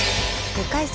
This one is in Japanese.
２回戦